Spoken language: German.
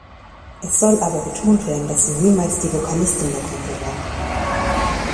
Es soll aber betont werden, dass sie niemals die Vokalistin der Gruppe war.